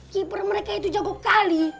keeper mereka itu jago kali